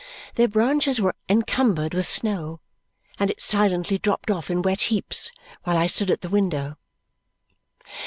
Their branches were encumbered with snow, and it silently dropped off in wet heaps while I stood at the window.